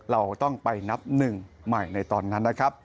เราต้องไปนับหนึ่งใหม่ในตอนนั้นนะครับ